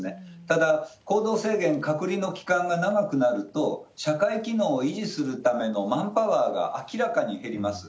ただ、行動制限、隔離の期間が長くなると、社会機能を維持するためのマンパワーが明らかに減ります。